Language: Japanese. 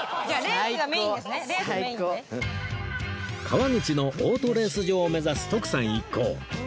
川口のオートレース場を目指す徳さん一行